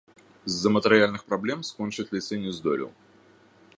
З-за матэрыяльных праблем скончыць ліцэй не здолеў.